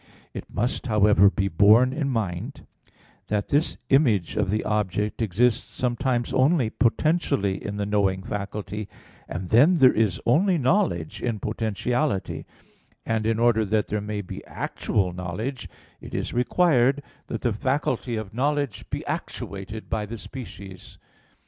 It must, however, be borne in mind that this image of the object exists sometimes only potentially in the knowing faculty; and then there is only knowledge in potentiality; and in order that there may be actual knowledge, it is required that the faculty of knowledge be actuated by the species.